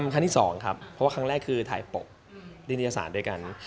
ครั้งที่๒ครับเพราะว่าครั้งแรกคือถ่ายปกนิตยสารด้วยกัน